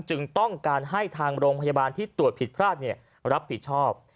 จึงต้องการให้ทางโรงพยาบาลที่ตรวจผิดพลาดรับผิดชอบ